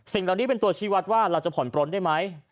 เหล่านี้เป็นตัวชีวัตรว่าเราจะผ่อนปลนได้ไหม